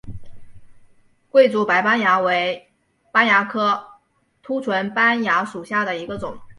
桂竹白斑蚜为斑蚜科凸唇斑蚜属下的一个种。